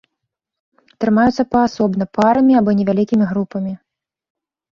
Трымаюцца паасобна, парамі або невялікімі групамі.